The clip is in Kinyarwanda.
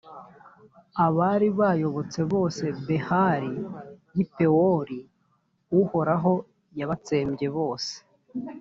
abari bayobotse bose behali y’i pewori, uhoraho yabatsembyebose